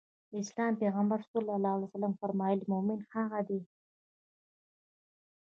د اسلام پيغمبر ص وفرمايل مومن هغه دی.